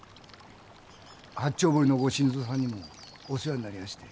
八丁堀のご新造さんにもお世話になりやして。